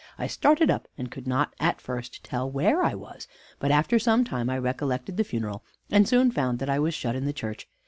I started up, and could not at first tell where I was; but after some time I recollected the funeral, and soon found that I was shut in the church.